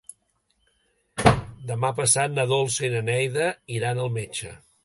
Demà passat na Dolça i na Neida iran al metge.